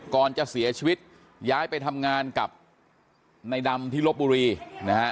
ก่อนจะเสียชีวิตย้ายไปทำงานกับในดำที่ลบบุรีนะฮะ